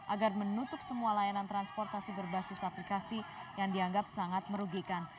agar menutup semua layanan transportasi berbasis aplikasi yang dianggap sangat merugikan